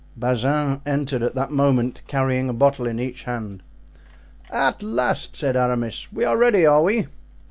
Bazin entered at that moment carrying a bottle in each hand. "At last," said Aramis, "we are ready, are we?"